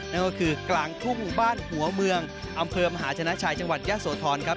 นั่นก็คือกลางทุ่งบ้านหัวเมืองอำเภอมหาชนะชัยจังหวัดยะโสธรครับ